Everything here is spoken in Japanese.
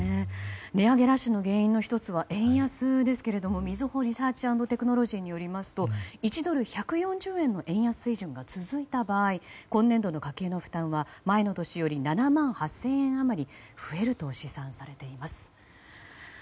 値上げラッシュの原因の１つは円安ですけどもみずほリサーチ＆テクノロジーズによりますと１ドル＝１４０円の円安水準が続いて場合今年度の家計の負担は前の年より７万８０００円余り増えると試算されています。